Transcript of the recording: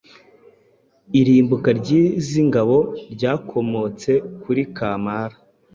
Irimbuka ry’izi ngabo ryakomotse kuri Kamara